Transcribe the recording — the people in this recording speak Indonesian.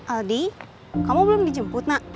aldi kamu belum dijemput nak